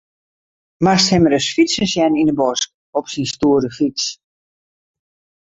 Moatst him ris fytsen sjen yn 'e bosk op syn stoere fyts.